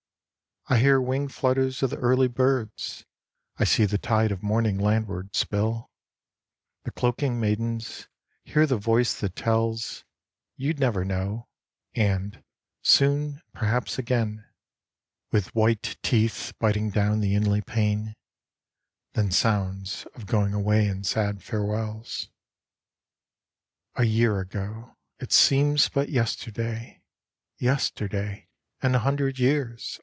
... I hear wing flutters of the early birds, I see the tide of morning landward spill, The cloaking maidens, hear the voice that tells " You'd never know " and " Soon perhaps again," 96 A MEMORY With white teeth biting down the inly pain, Then sounds of going away and 'sad farewells. A year ago ! It seems but yesterday. Yesterday! And a hundred years!